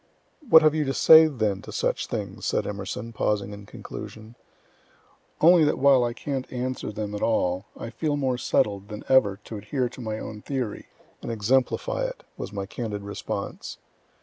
"What have you to say then to such things?" said E., pausing in conclusion. "Only that while I can't answer them at all, I feel more settled than ever to adhere to my own theory, and exemplify it," was my candid response.